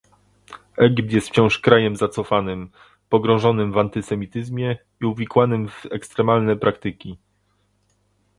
Egipt jest wciąż krajem zacofanym, pogrążonym w antysemityzmie i uwikłanym w ekstremalne praktyki